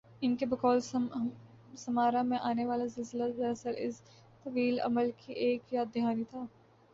ان کی بقول سمارا میں آنی والازلزلہ دراصل اس طویل عمل کی ایک یاد دہانی تھا